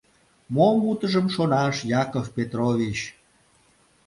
— Мом утыжым шонаш, Яков Петрович?